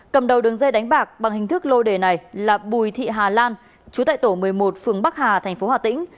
cầm đầu đường dây đánh bạc bằng hình thức lô đề này là bùi thị hà lan chú tại tổ một mươi một phường bắc hà thành phố hà tĩnh